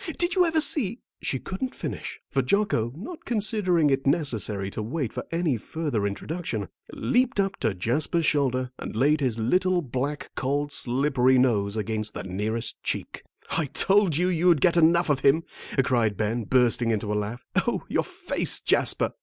"Did you ever see " she couldn't finish, for Jocko, not considering it necessary to wait for any further introduction, leaped up to Jasper's shoulder and laid his little black, cold, slippery nose against the nearest cheek. "I told you you'd get enough of him," cried Ben, bursting into a laugh. "Oh, your face, Jasper!"